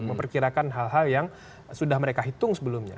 memperkirakan hal hal yang sudah mereka hitung sebelumnya